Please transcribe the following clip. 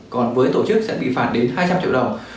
còn với tổ chức sẽ bị phạt đến hai trăm linh triệu đồng